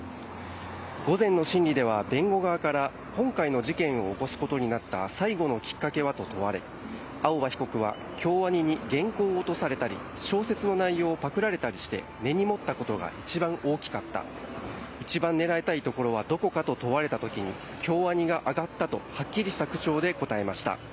午前の審理では弁護側から今回の事件を起こすことになった最後のきっかけはと問われ青葉被告は京アニに原稿を落とされたり小説の内容をパクられたりして根に持ったことが一番大きかった一番狙いたいところはどこかと問われた時に京アニが挙がったとはっきりした口調で答えました。